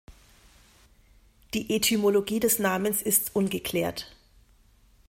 Die Etymologie des Namens ist ungeklärt.